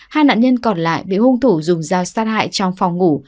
hai nạn nhân còn lại bị hung thủ dùng dao sát hại trong phòng ngủ